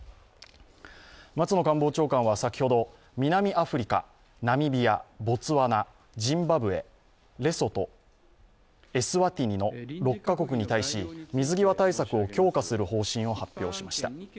松野官房長官は先ほど南アフリカ、ナミビアボツワナ、ジンバブエ、レソト、エスワティニの６カ国に対し水際対策を強化する方針を発表しました。